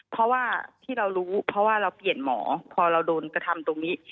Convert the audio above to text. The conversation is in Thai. เพราะว่าที่เรารู้เพราะว่าเราเปลี่ยนหมอพอเราโดนกระทำตรงนี้